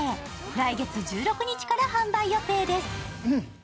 来月１６日から販売予定です。